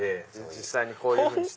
実際にこういうふうにして。